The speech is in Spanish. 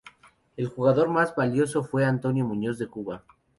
El jugador más valioso fue Antonio Muñoz de Cuba.